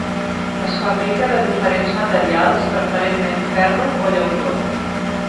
Es fabrica de diferents materials, preferentment ferro o llautó.